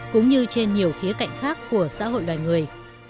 cũng như trên nhiều khía cạnh khác của xã hội loài người